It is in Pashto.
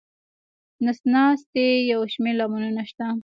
د نس ناستي یو شمېر لاملونه شته.